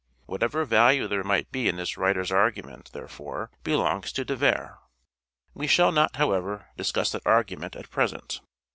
Whatever value there might be in this writer's argument there fore belongs to De Vere. We shall not, however , discuss that argument at present.